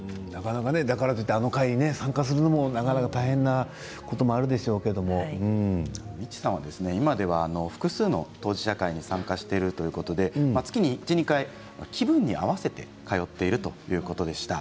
だからといってあの会に参加するのも大変なこともみちさん、今では複数の当事者会に参加しているということで月に１、２回気分に合わせて通っているということでした。